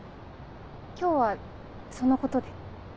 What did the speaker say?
今日はそのことで？